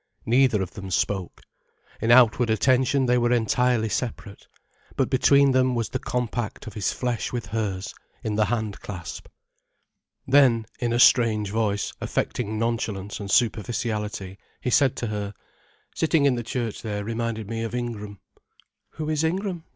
Neither of them spoke. In outward attention they were entirely separate. But between them was the compact of his flesh with hers, in the hand clasp. Then, in a strange voice, affecting nonchalance and superficiality he said to her: "Sitting in the church there reminded me of Ingram." "Who is Ingram?"